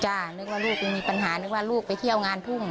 นึกว่าลูกจะมีปัญหานึกว่าลูกไปเที่ยวงานทุ่ง